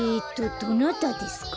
どなたですか？